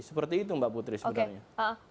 seperti itu mbak putri sebenarnya